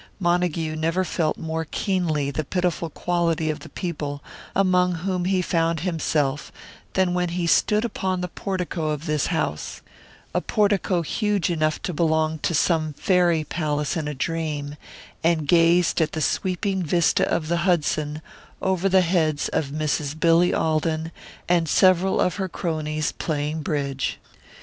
Montague never felt more keenly the pitiful quality of the people among whom he found himself than when he stood upon the portico of this house a portico huge enough to belong to some fairy palace in a dream and gazed at the sweeping vista of the Hudson over the heads of Mrs. Billy Alden and several of her cronies, playing bridge.